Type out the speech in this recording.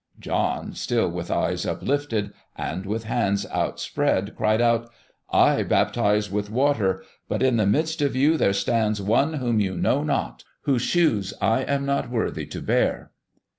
John, still with eyes uplifted and with hands outspread, cried out: "I baptize with water, but in the midst of you there stands one whom you know not, whose shoes I am not worthy to bear."